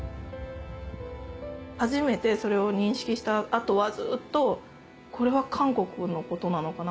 初めてそれを認識した後はずっとこれは韓国のことなのかな